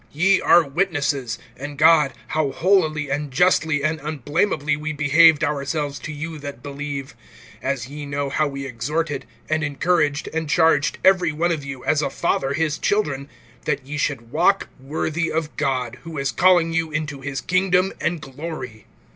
(10)Ye are witnesses, and God, how holily and justly and unblamably we behaved ourselves to you that believe; (11)as ye know how we exhorted, and encouraged, and charged every one of you, as a father his children, (12)that ye should walk worthy of God, who is calling you into his kingdom and glory.